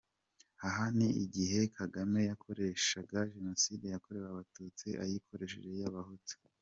Aha ni igihe Kagame yakoreshaga génocide yakorewe Abatutsi, ayikoresheje iy’Abahutu!